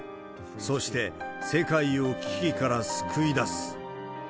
そして世界を危機から救い出す。